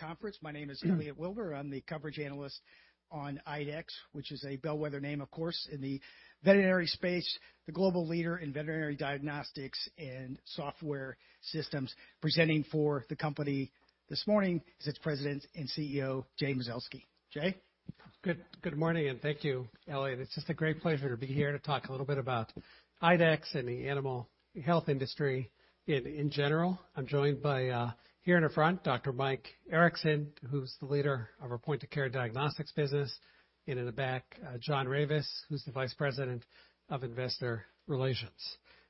Conference. My name is Elliot Wilbur. I'm the coverage analyst on IDEXX, which is a bellwether name, of course, in the veterinary space, the global leader in veterinary diagnostics and software systems. Presenting for the company this morning is its President and CEO, Jay Mazelsky. Jay. Good morning, thank you, Elliot. It's just a great pleasure to be here to talk a little bit about IDEXX and the animal health industry in general. I'm joined by here in the front, Dr. Mike Erickson, who's the leader of our point of care diagnostics business. In the back, John Ravis, who's the vice president of investor relations.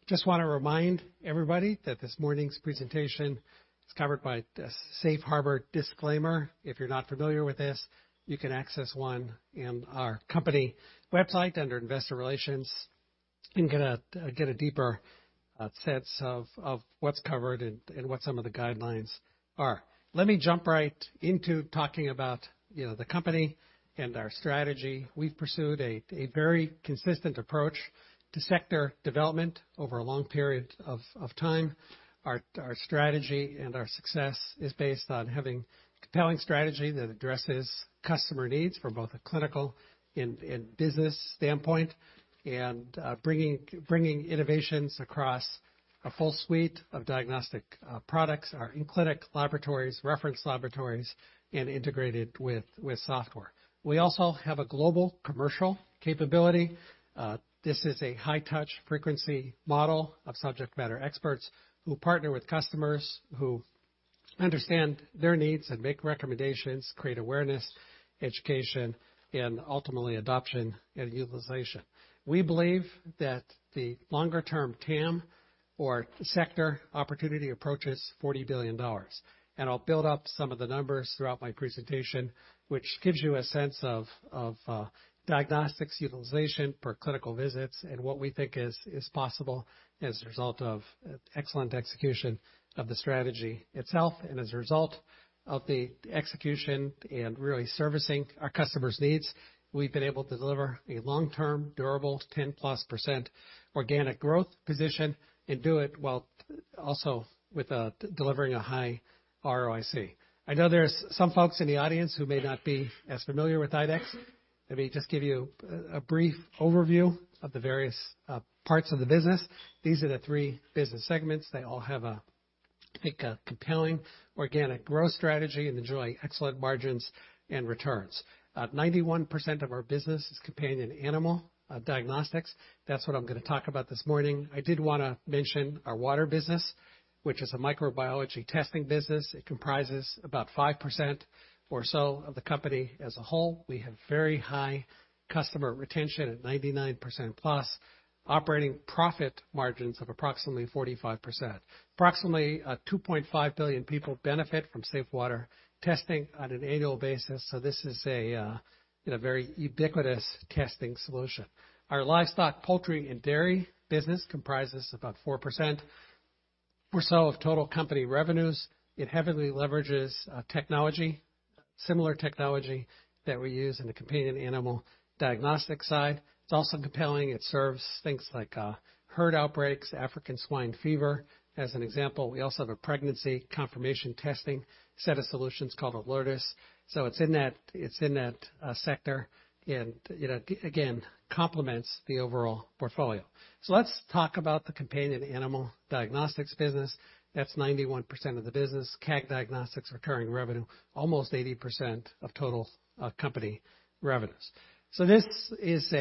Just wanna remind everybody that this morning's presentation is covered by a safe harbor disclaimer. If you're not familiar with this, you can access one in our company website under investor relations and get a deeper sense of what's covered and what some of the guidelines are. Let me jump right into talking about, you know, the company and our strategy. We've pursued a very consistent approach to sector development over a long period of time. Our strategy and our success is based on having compelling strategy that addresses customer needs from both a clinical and business standpoint, and bringing innovations across a full suite of diagnostic products, our in-clinic laboratories, reference laboratories, and integrated with software. We also have a global commercial capability. This is a high-touch frequency model of subject matter experts who partner with customers, who understand their needs and make recommendations, create awareness, education, and ultimately adoption and utilization. We believe that the longer-term TAM or sector opportunity approaches $40 billion. I'll build up some of the numbers throughout my presentation, which gives you a sense of diagnostics utilization for clinical visits and what we think is possible as a result of excellent execution of the strategy itself. As a result of the execution and really servicing our customers' needs, we've been able to deliver a long-term durable 10+% organic growth position and do it while also with delivering a high ROIC. I know there's some folks in the audience who may not be as familiar with IDEXX. Let me just give you a brief overview of the various parts of the business. These are the three business segments. They all have a compelling organic growth strategy and enjoy excellent margins and returns. 91% of our business is companion animal diagnostics. That's what I'm gonna talk about this morning. I did wanna mention our water business, which is a microbiology testing business. It comprises about 5% or so of the company as a whole. We have very high customer retention at 99%+, operating profit margins of approximately 45%. Approximately 2.5 billion people benefit from safe water testing on an annual basis. This is a very ubiquitous testing solution. Our livestock, poultry, and dairy business comprises about 4% or so of total company revenues. It heavily leverages technology, similar technology that we use in the companion animal diagnostic side. It's also compelling. It serves things like herd outbreaks, African swine fever, as an example. We also have a pregnancy confirmation testing set of solutions called Alertys. It's in that sector and, you know, again, complements the overall portfolio. Let's talk about the companion animal diagnostics business. That's 91% of the business. CAG Diagnostics recurring revenue, almost 80% of total company revenues. This is,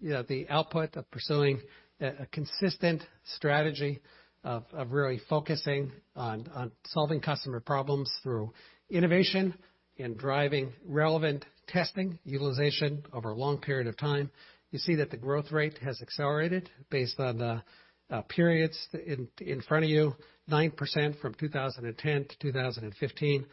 you know, the output of pursuing a consistent strategy of really focusing on solving customer problems through innovation and driving relevant testing utilization over a long period of time. You see that the growth rate has accelerated based on the periods in front of you, 9% from 2010 to 2015,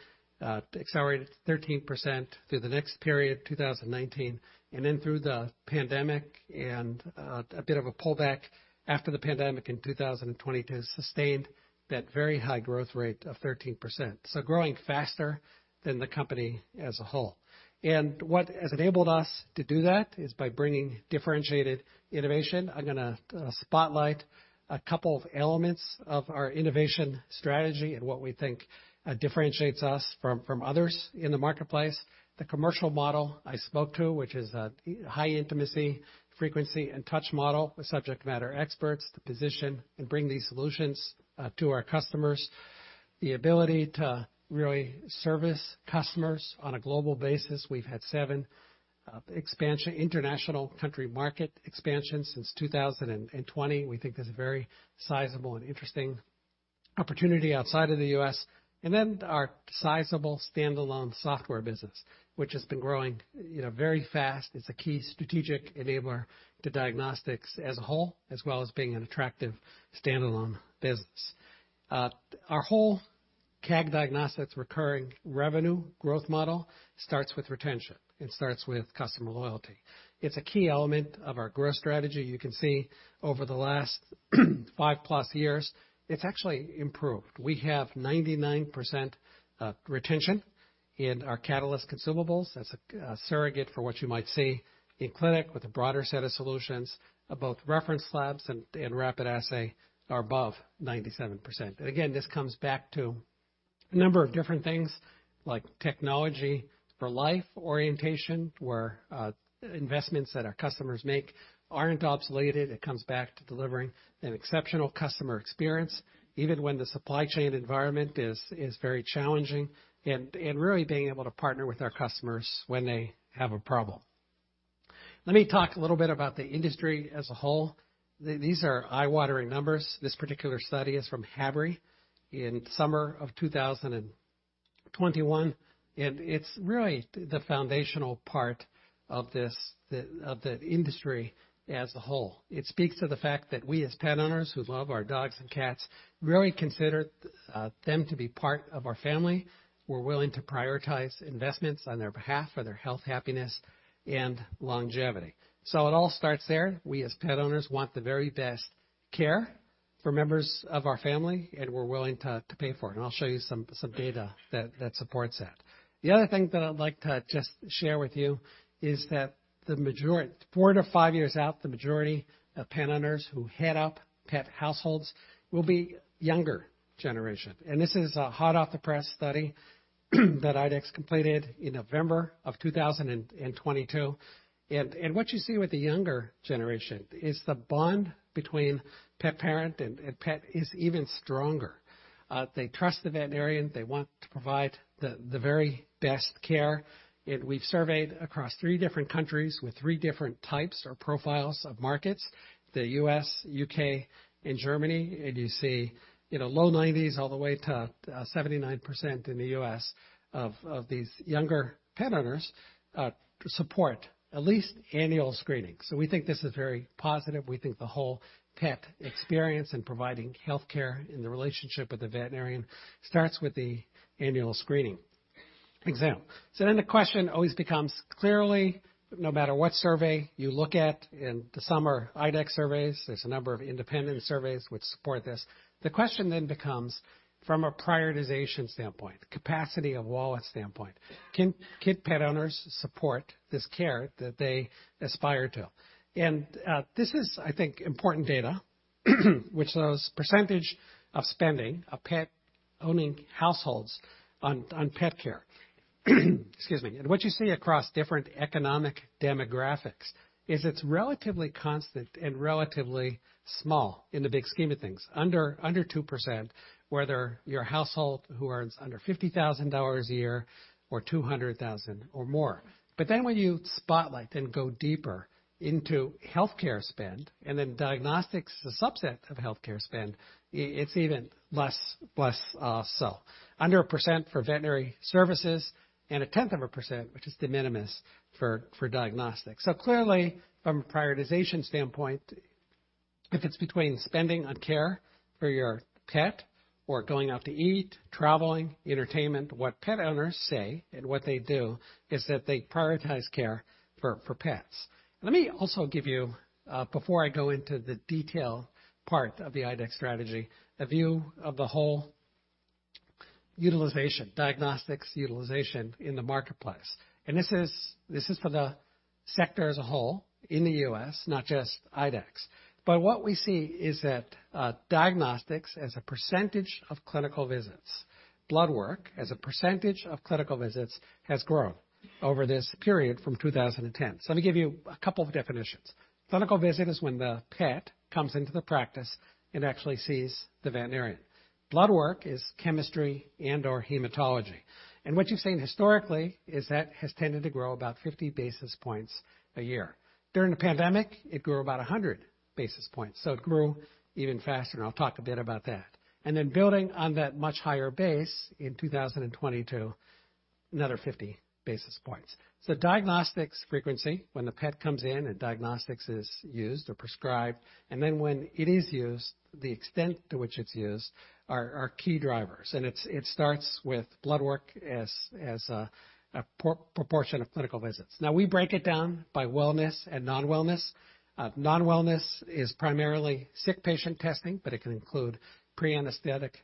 accelerated to 13% through the next period, 2019. Then through the pandemic and a bit of a pullback after the pandemic in 2020 to sustain that very high growth rate of 13%. Growing faster than the company as a whole. What has enabled us to do that is by bringing differentiated innovation. I'm gonna spotlight a couple of elements of our innovation strategy and what we think differentiates us from others in the marketplace. The commercial model I spoke to, which is a high intimacy, frequency, and touch model with subject matter experts to position and bring these solutions to our customers. The ability to really service customers on a global basis. We've had seven international country market expansions since 2020. We think there's a very sizable and interesting opportunity outside of the U.S. Our sizable standalone software business, which has been growing, you know, very fast. It's a key strategic enabler to diagnostics as a whole, as well as being an attractive standalone business. Our whole CAG Diagnostics recurring revenue growth model starts with retention. It starts with customer loyalty. It's a key element of our growth strategy. You can see over the last 5+ years, it's actually improved. We have 99% retention in our Catalyst consumables. That's a surrogate for what you might see in clinic with a broader set of solutions. Both reference labs and rapid assay are above 97%. Again, this comes back to. A number of different things like technology for life orientation, where investments that our customers make aren't obsoleted. It comes back to delivering an exceptional customer experience, even when the supply chain environment is very challenging, and really being able to partner with our customers when they have a problem. Let me talk a little bit about the industry as a whole. These are eye-watering numbers. This particular study is from HABRI in summer of 2021. It's really the foundational part of this, of the industry as a whole. It speaks to the fact that we, as pet owners who love our dogs and cats, really consider them to be part of our family. We're willing to prioritize investments on their behalf for their health, happiness, and longevity. It all starts there. We, as pet owners, want the very best care for members of our family, and we're willing to pay for it. I'll show you some data that supports that. The other thing that I'd like to just share with you is that four to five years out, the majority of pet owners who head up pet households will be younger generation. This is a hot off the press study that IDEXX completed in November of 2022. What you see with the younger generation is the bond between pet parent and pet is even stronger. They trust the veterinarian. They want to provide the very best care. We've surveyed across three different countries with three different types or profiles of markets, the U.S., U.K., and Germany. You see, you know, low 90s all the way to 79% in the U.S. of these younger pet owners support at least annual screening. We think this is very positive. We think the whole pet experience and providing healthcare and the relationship with the veterinarian starts with the annual screening exam. The question always becomes, clearly, no matter what survey you look at, and the summer IDEXX surveys, there's a number of independent surveys which support this. The question becomes from a prioritization standpoint, capacity of wallet standpoint, can pet owners support this care that they aspire to? This is, I think, important data, which shows percentage of spending of pet-owning households on pet care. Excuse me. What you see across different economic demographics is it's relatively constant and relatively small in the big scheme of things. Under 2%, whether you're a household who earns under $50,000 a year or $200,000 or more. When you spotlight and go deeper into healthcare spend and diagnostics, a subset of healthcare spend, it's even less so. Under a % for veterinary services and a tenth of a %, which is de minimis for diagnostics. Clearly, from a prioritization standpoint, if it's between spending on care for your pet or going out to eat, traveling, entertainment, what pet owners say and what they do is that they prioritize care for pets. Let me also give you before I go into the detail part of the IDEXX strategy, a view of the whole utilization, diagnostics utilization in the marketplace. This is for the sector as a whole in the U.S., not just IDEXX. What we see is that diagnostics as a % of clinical visits, blood work as a % of clinical visits has grown over this period from 2010. Let me give you a couple of definitions. Clinical visit is when the pet comes into the practice and actually sees the veterinarian. Blood work is chemistry and/or hematology. What you've seen historically is that has tended to grow about 50 basis points a year. During the pandemic, it grew about 100 basis points, so it grew even faster. I'll talk a bit about that. Then building on that much higher base in 2022, another 50 basis points. Diagnostics frequency, when the pet comes in and diagnostics is used or prescribed, and then when it is used, the extent to which it's used are key drivers. It's, it starts with blood work as a proportion of clinical visits. Now we break it down by wellness and non-wellness. Non-wellness is primarily sick patient testing, but it can include pre-anesthetic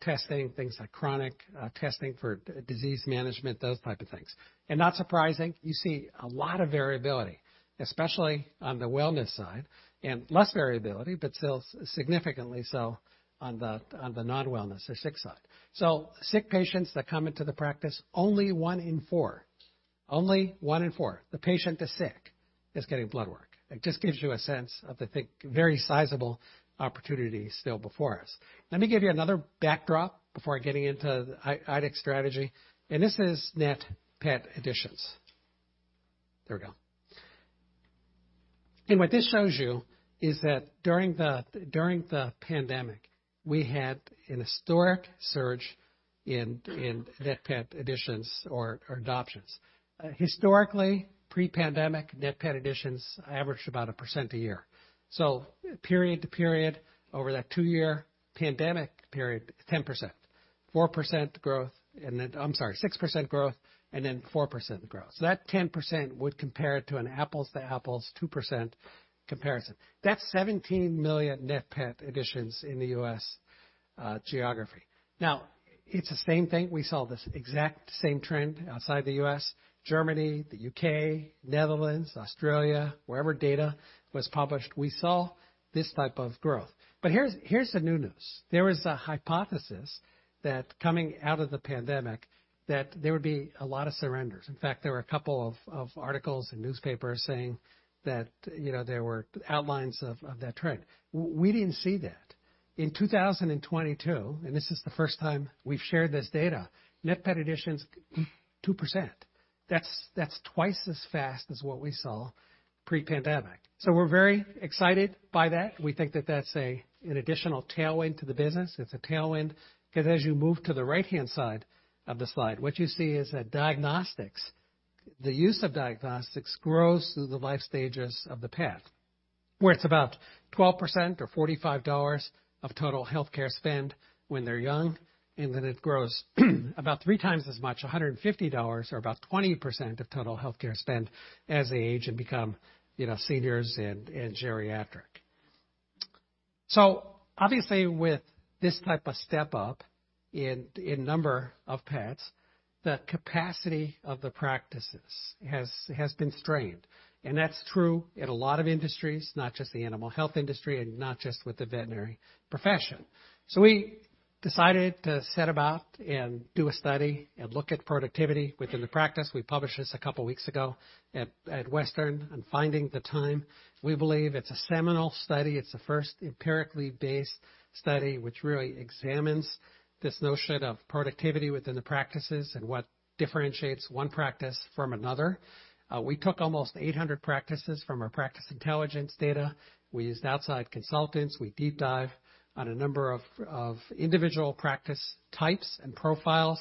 testing, things like chronic testing for disease management, those type of things. Not surprising, you see a lot of variability, especially on the wellness side, and less variability, but still significantly so on the non-wellness or sick side. Sick patients that come into the practice, only one in four the patient is sick, is getting blood work. It just gives you a sense of the very sizable opportunity still before us. Let me give you another backdrop before getting into IDEXX strategy. This is net pet additions. There we go. What this shows you is that during the pandemic, we had an historic surge in net pet additions or adoptions. Historically, pre-pandemic net pet additions averaged about 1% a year. Period to period over that two-year pandemic period, 10%, 4% growth. I'm sorry, 6% growth, 4% growth. That 10% would compare to an apples to apples 2% comparison. That's $17 million net pet additions in the U.S. geography. It's the same thing. We saw this exact same trend outside the U.S., Germany, the U.K., Netherlands, Australia. Wherever data was published, we saw this type of growth. Here's the new news. There was a hypothesis that coming out of the pandemic, that there would be a lot of surrenders. In fact, there were a couple of articles in newspapers saying that, you know, there were outlines of that trend. We didn't see that. In 2022, this is the first time we've shared this data, net pet additions, 2%. That's twice as fast as what we saw pre-pandemic. We're very excited by that. We think that that's an additional tailwind to the business. It's a tailwind because as you move to the right-hand side of the slide, what you see is that diagnostics, the use of diagnostics grows through the life stages of the pet, where it's about 12% or $45 of total healthcare spend when they're young, and then it grows about three times as much, $150 or about 20% of total healthcare spend as they age and become, you know, seniors and geriatric. Obviously, with this type of step up in number of pets, the capacity of the practices has been strained. That's true in a lot of industries, not just the animal health industry and not just with the veterinary profession. We decided to set about and do a study and look at productivity within the practice. We published this a couple weeks ago at Western on finding the time. We believe it's a seminal study. It's the first empirically-based study which really examines this notion of productivity within the practices and what differentiates one practice from another. We took almost 800 practices from our practice intelligence data. We used outside consultants. We deep dive on a number of individual practice types and profiles,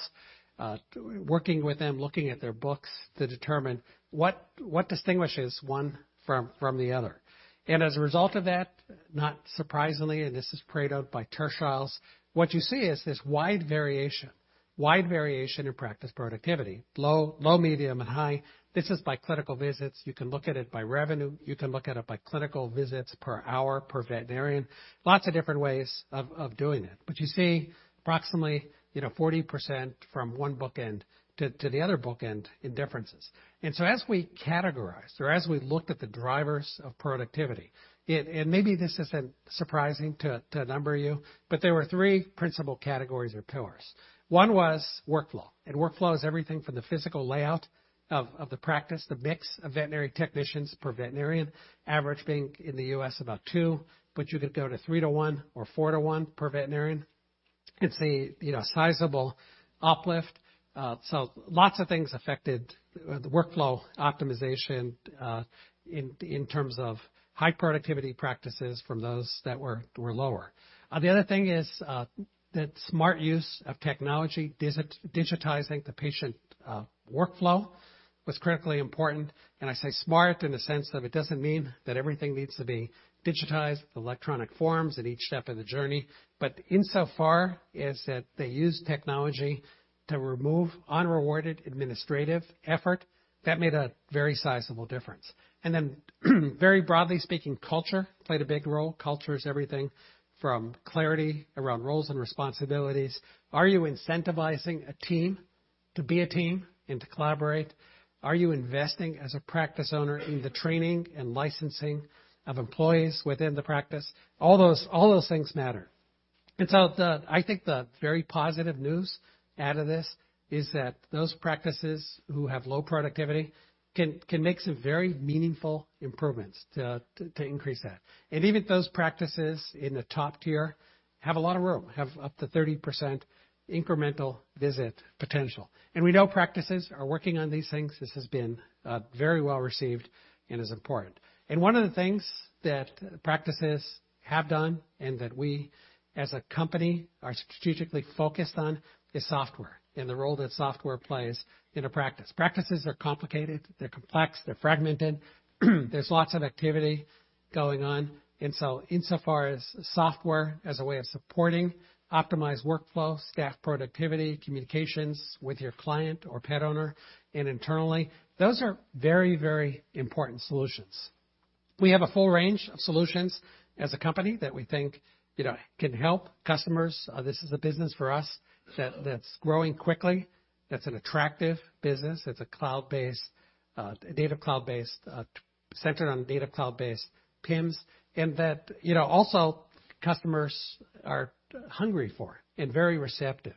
working with them, looking at their books to determine what distinguishes one from the other. As a result of that, not surprisingly, and this is prayed out by tertiles, what you see is this wide variation in practice productivity, low, medium, and high. This is by clinical visits. You can look at it by revenue, you can look at it by clinical visits per hour, per veterinarian. Lots of different ways of doing it. But you see approximately, you know, 40% from one bookend to the other bookend in differences. As we categorized or as we looked at the drivers of productivity, it. Maybe this isn't surprising to a number of you, but there were three principal categories or pillars. One was workflow, and workflow is everything from the physical layout of the practice, the mix of veterinary technicians per veterinarian, average being in the U.S. about two, but you could go to three to one or four to one per veterinarian. It's a, you know, sizable uplift. Lots of things affected the workflow optimization in terms of high productivity practices from those that were lower. The other thing is that smart use of technology, digitizing the patient workflow was critically important. I say smart in the sense of it doesn't mean that everything needs to be digitized, electronic forms at each step of the journey, but insofar as that they use technology to remove unrewarded administrative effort, that made a very sizable difference. Very broadly speaking, culture played a big role. Culture is everything from clarity around roles and responsibilities. Are you incentivizing a team to be a team and to collaborate? Are you investing as a practice owner in the training and licensing of employees within the practice? All those things matter. The, I think the very positive news out of this is that those practices who have low productivity can make some very meaningful improvements to increase that. Even those practices in the top tier have a lot of room, have up to 30% incremental visit potential. We know practices are working on these things. This has been very well-received and is important. One of the things that practices have done and that we as a company are strategically focused on is software and the role that software plays in a practice. Practices are complicated, they're complex, they're fragmented. There's lots of activity going on. Insofar as software as a way of supporting optimized workflow, staff productivity, communications with your client or pet owner and internally, those are very, very important solutions. We have a full range of solutions as a company that we think, you know, can help customers. This is a business for us that's growing quickly. That's an attractive business. It's a cloud-based, data cloud-based, centered on data cloud-based PIMs, and that, you know, also customers are hungry for and very receptive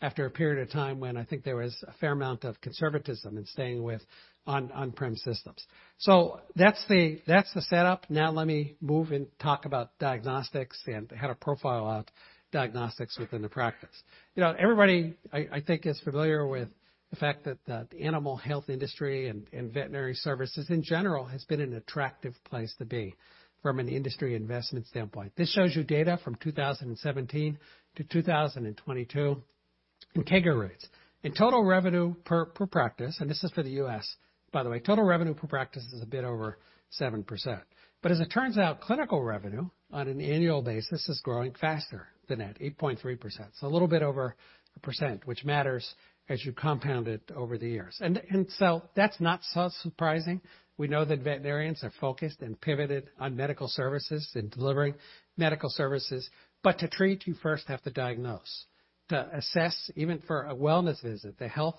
after a period of time when I think there was a fair amount of conservatism in staying with on-prem systems. That's the setup. Let me move and talk about diagnostics and how to profile out diagnostics within the practice. You know, everybody, I think, is familiar with the fact that animal health industry and veterinary services in general has been an attractive place to be from an industry investment standpoint. This shows you data from 2017 to 2022 in CAGR rates. In total revenue per practice, and this is for the U.S., by the way, total revenue per practice is a bit over 7%. As it turns out, clinical revenue on an annual basis is growing faster than at 8.3%. A little bit over 1%, which matters as you compound it over the years. That's not so surprising. We know that veterinarians are focused and pivoted on medical services and delivering medical services. To treat, you first have to diagnose. To assess, even for a wellness visit, the health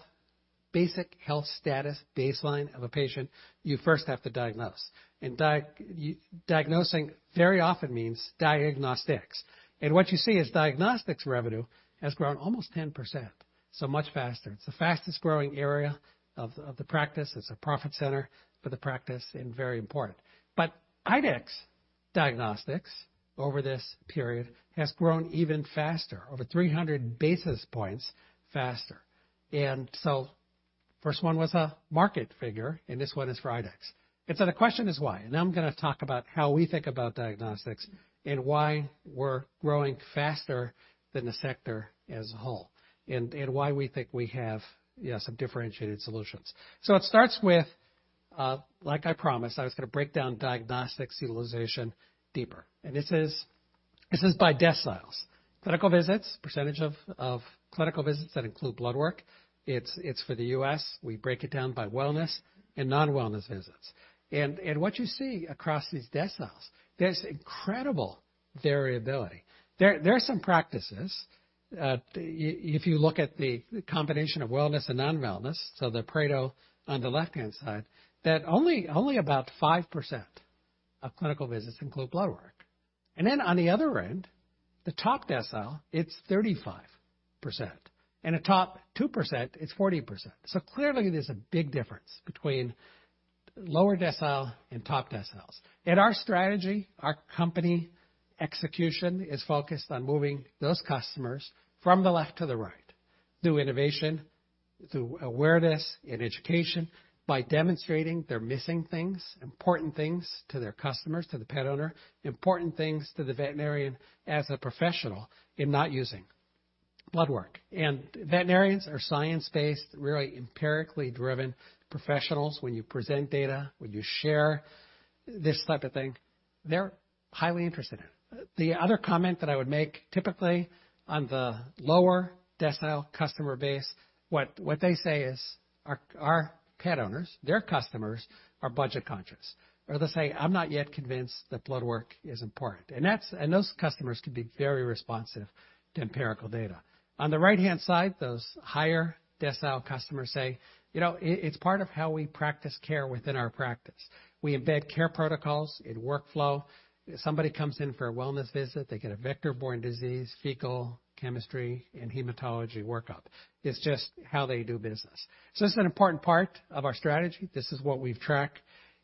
status baseline of a patient, you first have to diagnose. Diagnosing very often means diagnostics. What you see is diagnostics revenue has grown almost 10%, so much faster. It's the fastest growing area of the practice. It's a profit center for the practice and very important. IDEXX diagnostics over this period has grown even faster, over 300 basis points faster. First one was a market figure, and this one is for IDEXX. The question is why? I'm gonna talk about how we think about diagnostics and why we're growing faster than the sector as a whole, and why we think we have, yes, some differentiated solutions. It starts with, like I promised, I was gonna break down diagnostics utilization deeper. This is by deciles, clinical visits, percentage of clinical visits that include blood work. It's for the U.S. We break it down by wellness and non-wellness visits. What you see across these deciles, there's incredible variability. There are some practices, if you look at the combination of wellness and non-wellness, so the Pareto on the left-hand side, that only about 5% of clinical visits include blood work. Then on the other end, the top decile, it's 35%. In the top 2%, it's 40%. Clearly there's a big difference between lower decile and top deciles. Our strategy, our company execution is focused on moving those customers from the left to the right through innovation, through awareness and education, by demonstrating they're missing things, important things to their customers, to the pet owner, important things to the veterinarian as a professional in not using blood work. Veterinarians are science-based, really empirically driven professionals. When you present data, when you share this type of thing, they're highly interested in it. The other comment that I would make, typically on the lower decile customer base, what they say is our pet owners, their customers, are budget conscious, or they'll say, "I'm not yet convinced that blood work is important." Those customers could be very responsive to empirical data. On the right-hand side, those higher decile customers say, "You know, it's part of how we practice care within our practice. We embed care protocols in workflow. If somebody comes in for a wellness visit, they get a vector-borne disease, fecal, chemistry, and hematology workup." It's just how they do business. This is an important part of our strategy. This is what we've tracked.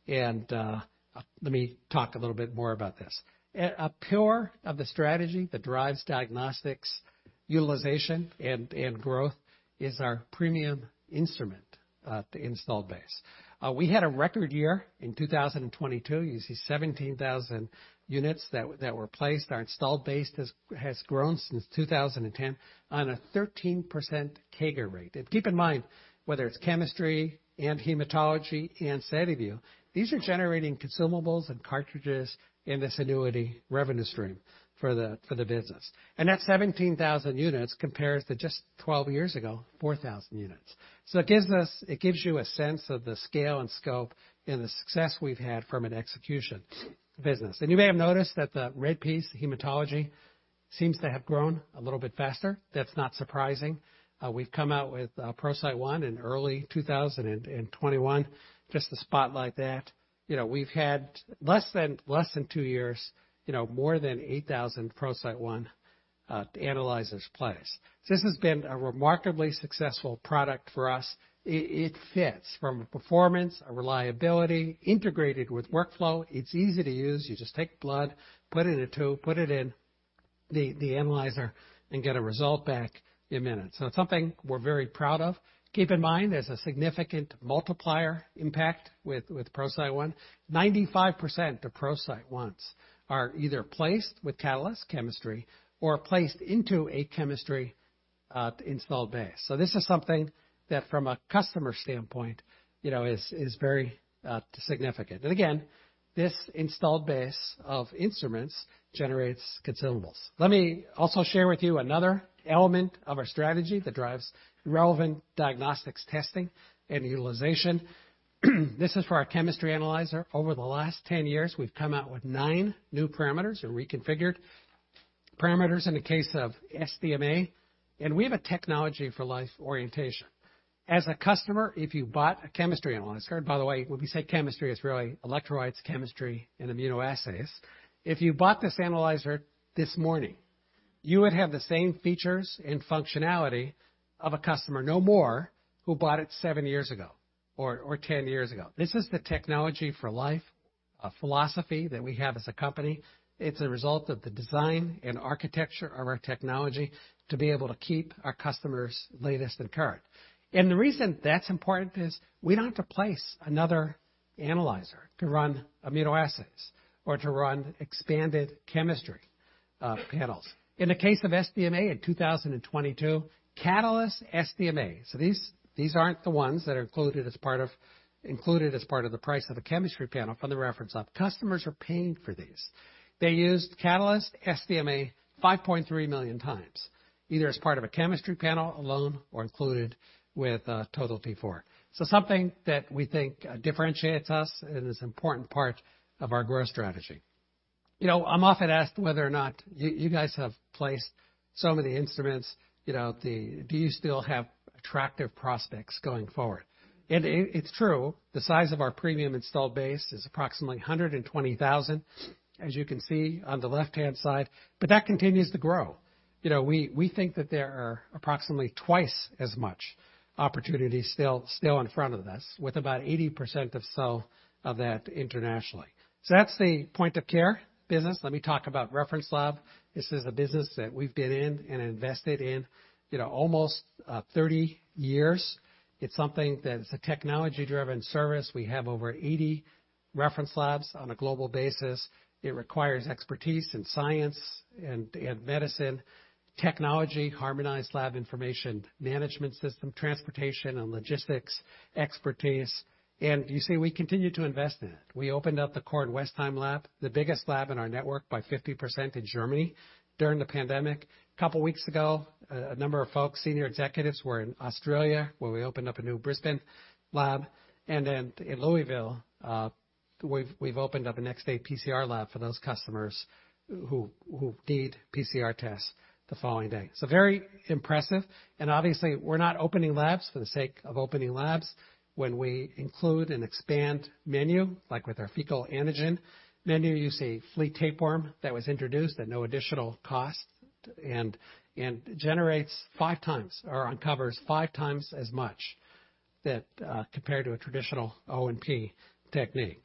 Let me talk a little bit more about this. A pillar of the strategy that drives diagnostics utilization and growth is our premium instrument, the installed base. We had a record year in 2022. You see 17,000 units that were placed. Our installed base has grown since 2010 on a 13% CAGR rate. Keep in mind, whether it's chemistry and hematology and StatVue, these are generating consumables and cartridges in this annuity revenue stream for the business. That 17,000 units compares to just 12 years ago, 4,000 units. It gives you a sense of the scale and scope and the success we've had from an execution business. You may have noticed that the red piece, the hematology, seems to have grown a little bit faster. That's not surprising. We've come out with ProCyte One in early 2021. Just to spotlight that. You know, we've had less than two years, you know, more than 8,000 ProCyte One analyzers placed. This has been a remarkably successful product for us. It fits from a performance, a reliability, integrated with workflow. It's easy to use. You just take blood, put it in a tube, put it in the analyzer, and get a result back in minutes. It's something we're very proud of. Keep in mind, there's a significant multiplier impact with ProCyte One. 95% of ProCyte Ones are either placed with Catalyst chemistry or placed into a chemistry installed base. This is something that, from a customer standpoint, you know, is very significant. Again, this installed base of instruments generates consumables. Let me also share with you another element of our strategy that drives relevant diagnostics testing and utilization. This is for our chemistry analyzer. Over the last 10 years, we've come out with nine new parameters or reconfigured parameters in the case of SDMA, and we have a technology for life orientation. As a customer, if you bought a chemistry analyzer, and by the way, when we say chemistry, it's really electrolytes, chemistry, and immunoassays. If you bought this analyzer this morning, you would have the same features and functionality of a customer, no more, who bought it seven years ago or 10 years ago. This is the technology for life, a philosophy that we have as a company. It's a result of the design and architecture of our technology to be able to keep our customers latest and current. The reason that's important is we don't have to place another analyzer to run immunoassays or to run expanded chemistry panels. In the case of SDMA in 2022, Catalyst SDMA. These aren't the ones that are included as part of the price of a chemistry panel from the reference lab. Customers are paying for these. They used Catalyst SDMA 5.3 million times, either as part of a chemistry panel alone or included with Total T4. Something that we think differentiates us and is important part of our growth strategy. You know, I'm often asked whether or not you guys have placed some of the instruments, you know, Do you still have attractive prospects going forward? It's true, the size of our premium installed base is approximately 120,000, as you can see on the left-hand side, but that continues to grow. You know, we think that there are approximately twice as much opportunity still in front of us with about 80% of that internationally. That's the point of care business. Let me talk about reference lab. This is a business that we've been in and invested in, you know, almost 30 years. It's something that's a technology-driven service. We have over 80 reference labs on a global basis. It requires expertise in science and medicine, technology, harmonized lab information, management system, transportation and logistics expertise. You see, we continue to invest in it. We opened up the Kornwestheim lab, the biggest lab in our network by 50% in Germany during the pandemic. Couple weeks ago, a number of folks, senior executives, were in Australia, where we opened up a new Brisbane lab. In Louisville, we've opened up a next day PCR lab for those customers who need PCR tests the following day. Very impressive. Obviously, we're not opening labs for the sake of opening labs. When we include an expand menu, like with our fecal antigen menu, you see flea tapeworm that was introduced at no additional cost, and generates five times or uncovers five times as much that compared to a traditional O&P technique.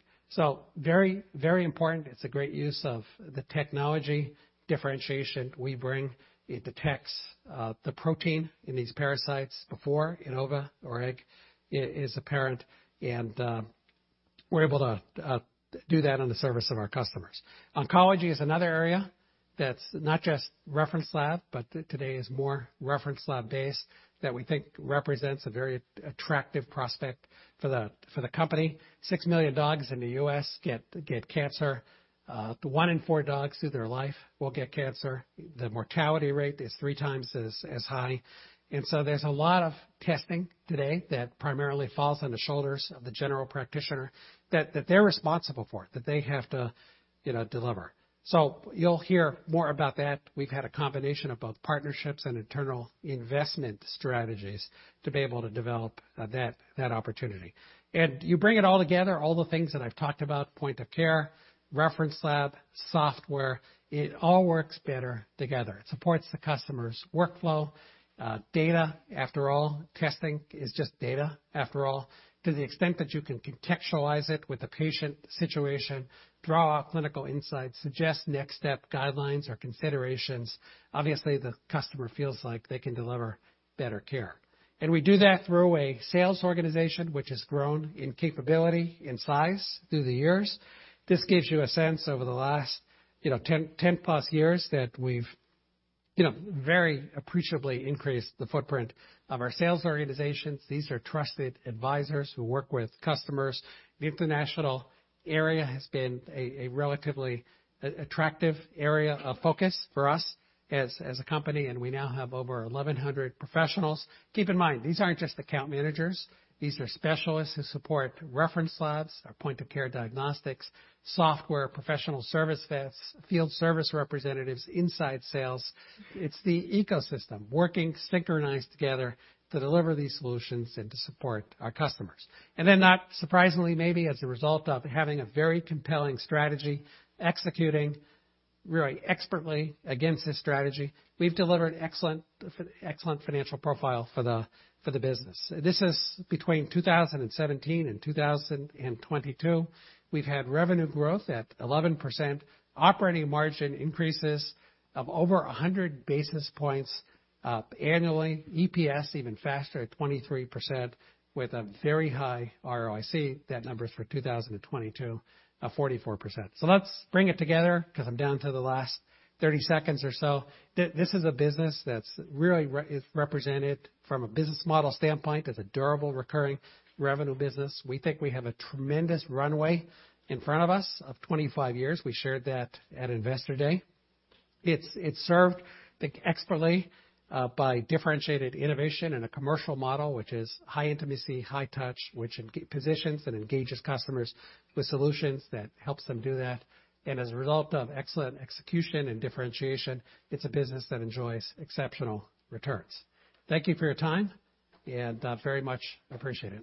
Very important. It's a great use of the technology differentiation we bring. It detects the protein in these parasites before an ova or egg is apparent, and we're able to do that on the service of our customers. Oncology is another area that's not just reference lab, but today is more reference lab-based, that we think represents a very attractive prospect for the company. six million dogs in the U.S. get cancer. One in four dogs through their life will get cancer. The mortality rate is three times as high. There's a lot of testing today that primarily falls on the shoulders of the general practitioner that they're responsible for, that they have to, you know, deliver. You'll hear more about that. We've had a combination of both partnerships and internal investment strategies to be able to develop that opportunity. You bring it all together, all the things that I've talked about, point of care, reference lab, software, it all works better together. It supports the customer's workflow. Data, after all, testing is just data, after all. To the extent that you can contextualize it with the patient situation, draw clinical insights, suggest next step guidelines or considerations. Obviously, the customer feels like they can deliver better care. We do that through a sales organization which has grown in capability, in size through the years. This gives you a sense over the last, you know, 10+ years that we've, you know, very appreciably increased the footprint of our sales organizations. These are trusted advisors who work with customers. The international area has been a relatively attractive area of focus for us as a company, and we now have over 1,100 professionals. Keep in mind, these aren't just account managers. These are specialists who support reference labs or Point of Care Diagnostics, software professional service reps, field service representatives inside sales. It's the ecosystem working synchronized together to deliver these solutions and to support our customers. Not surprisingly, maybe as a result of having a very compelling strategy, executing really expertly against this strategy, we've delivered excellent financial profile for the business. This is between 2017 and 2022. We've had revenue growth at 11%, operating margin increases of over 100 basis points annually. EPS even faster at 23% with a very high ROIC. That number is for 2022, 44%. Let's bring it together because I'm down to the last 30 seconds or so. This is a business that's really is represented from a business model standpoint as a durable recurring revenue business. We think we have a tremendous runway in front of us of 25 years. We shared that at Investor Day. It's served I think expertly by differentiated innovation in a commercial model, which is high intimacy, high touch, which positions and engages customers with solutions that helps them do that. As a result of excellent execution and differentiation, it's a business that enjoys exceptional returns. Thank you for your time, very much appreciated.